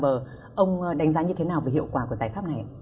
vâng thưa ông ông đánh giá như thế nào về hiệu quả của giải pháp này